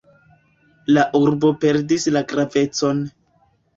La urbo perdis la gravecon.